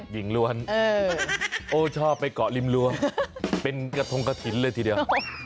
หญิงล้วนโอ้ชอบไปเกาะริมรั้วเป็นกระทงกระถิ่นเลยทีเดียว